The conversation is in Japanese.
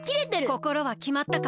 こころはきまったか？